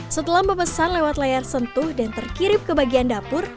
setelah memesan lewat layar sentuh dan terkirim ke bagian dapur